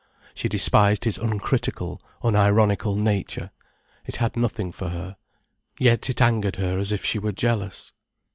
She despised his uncritical, unironical nature, it had nothing for her. Yet it angered her as if she were jealous.